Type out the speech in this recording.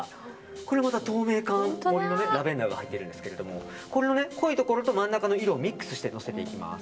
これもまた透明感濃いめのラベンダーがありますがこれの濃いところと真ん中の色をミックスしてのせていきます。